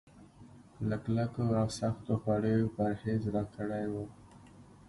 له کلکو او سختو خوړو يې پرهېز راکړی و.